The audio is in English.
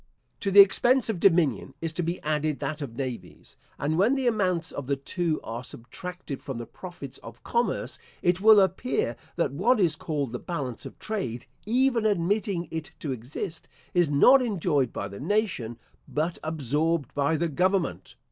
To the expense of dominion is to be added that of navies, and when the amounts of the two are subtracted from the profits of commerce, it will appear, that what is called the balance of trade, even admitting it to exist, is not enjoyed by the nation, but absorbed by the Government.